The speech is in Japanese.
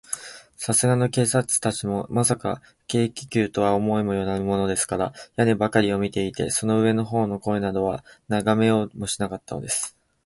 さすがの警官たちも、まさか、軽気球とは思いもよらぬものですから、屋根ばかりを見ていて、その上のほうの空などは、ながめようともしなかったからです。